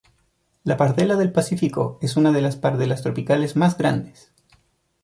La pardela del Pacífico es una de las pardelas tropicales más grandes.